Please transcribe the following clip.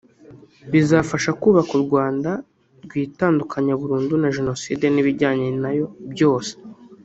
bizafasha kubaka u Rwanda rwitandukanya burundu na Jenoside n’ibijyanye nayo byose